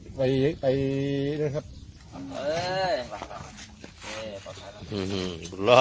ใช่ครับครับครับครับเดี๋ยวเผื่อนะ